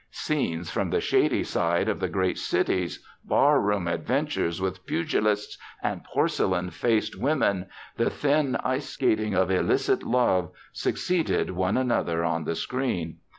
Scenes from the shady side of the great cities, bar room adventures with pugilists and porcelain faced women, the thin ice skating of illicit love succeeded one another on the screen.